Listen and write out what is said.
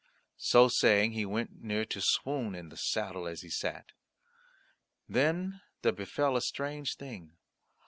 So saying he went near to swoon in the saddle as he sat. Then there befell a strange thing.